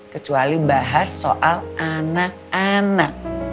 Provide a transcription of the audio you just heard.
kecuali bahas soal anak anak